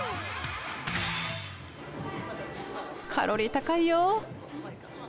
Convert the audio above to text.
カロリー高いよ。